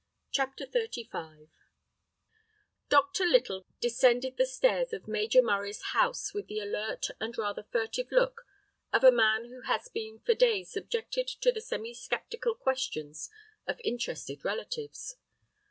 CHAPTER XXXV Dr. Little descended the stairs of Major Murray's house with the alert and rather furtive look of a man who has been for days subjected to the semi sceptical questions of interested relatives.